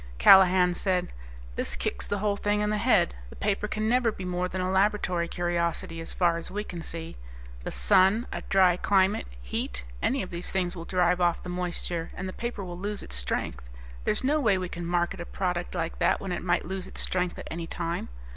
Callahan said, "This kicks the whole thing in the head. The paper can never be more than a laboratory curiosity, as far as we can see. The sun, a dry climate, heat, any of these things will drive off the moisture, and the paper will lose its strength. There's no way we can market a product like that when it might lose its strength at any time.